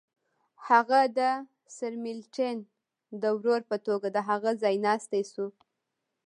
هغه د سرمیلټن د ورور په توګه د هغه ځایناستی شو.